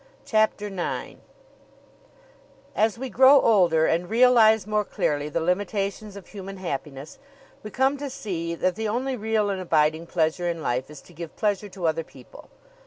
CHAPTER IX As we grow older and realize more clearly the limitations of human happiness, we come to see that the only real and abiding pleasure in life is to give pleasure to other people.